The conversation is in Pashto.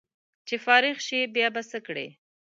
چې فارغ شې بیا به څه کړې